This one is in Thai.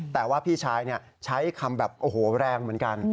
แต่ว่าพี่ชายใช้คำแบบโอ้โหแรงเหมือนกัน